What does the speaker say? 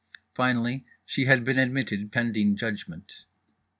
Finally she had been admitted pending judgment.